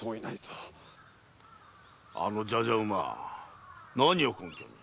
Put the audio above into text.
あのじゃじゃ馬何を根拠に？